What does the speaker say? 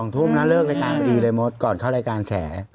ทุ่มนะเลิกรายการพอดีเลยมดก่อนเข้ารายการแฉ